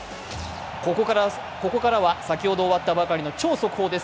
ここからは先ほど終わったばかりの超速報です。